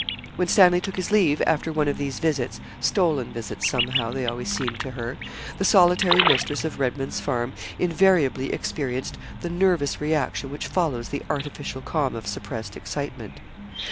When Stanley took his leave after one of these visits stolen visits, somehow, they always seemed to her the solitary mistress of Redman's Farm invariably experienced the nervous reaction which follows the artificial calm of suppressed excitement.